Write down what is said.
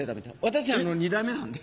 私２代目なんで。